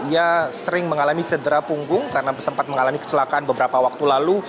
ia sering mengalami cedera punggung karena sempat mengalami kecelakaan beberapa waktu lalu